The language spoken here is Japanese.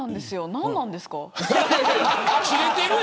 何なんですか。